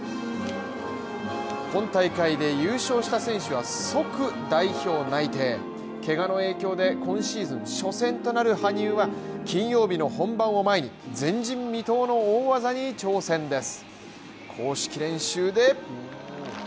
今大会で優勝した選手は即代表内定ケガの影響で今シーズン初戦となる羽生は金曜日の本番を前に、前人未到の大技に挑戦です。